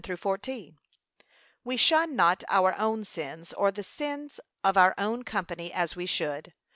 2:11 14) We shun not our own sins or the sine of our own company as we should.